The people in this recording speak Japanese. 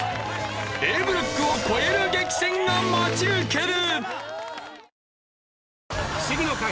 Ａブロックを超える激戦が待ち受ける！